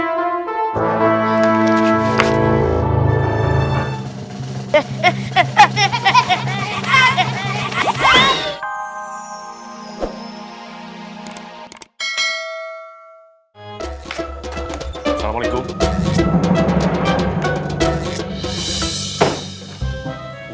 gak usah pura pura tidur